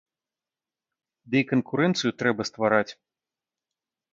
Ды і канкурэнцыю трэба ствараць!